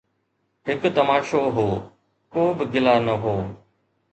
هڪ تماشو هو، ڪو به گلا نه هو